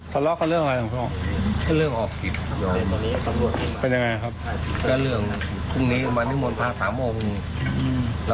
ทะเลาะกันเรื่องอะไรนะพี่พ่อ